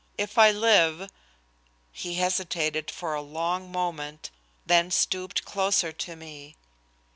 If I live " He hesitated for a long moment, then stooped closer to me.